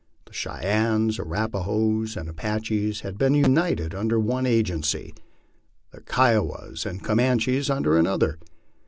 The Cheyennes, Arrapahoes, and Apaches had been united under one agency; the Kiowas and Comanches under another.